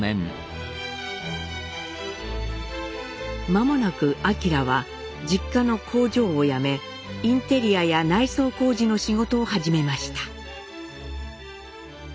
間もなく晃は実家の工場を辞めインテリアや内装工事の仕事を始めました。